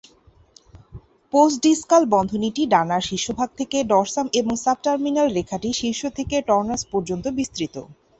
Postdiscal বন্ধনীটি ডানার শীর্ষভাগ থেকে dorsum এবং সাবটার্মিনাল রেখাটি শীর্ষ থেকে টর্নাস পর্যন্ত বিস্তৃত।